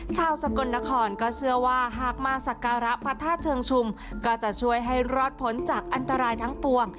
สกลนครก็เชื่อว่าหากมาสักการะพระธาตุเชิงชุมก็จะช่วยให้รอดผลจากอันตรายทั้งปวง